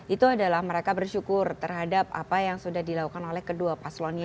itu adalah mereka bersyukur terhadap apa yang sudah dilakukan oleh kedua paslonnya